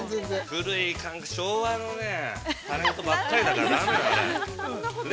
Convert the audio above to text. ◆古い感覚、昭和のね、タレントばっかりだからだめだよ、これ。